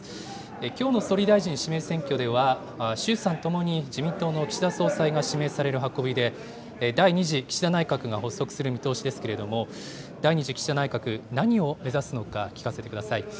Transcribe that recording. きょうの総理大臣指名選挙では、衆参ともに自民党の岸田総裁が指名される運びで、第２次岸田内閣が発足する見通しですけれども、第２次岸田内閣、何を目指すのか、聞かせてください。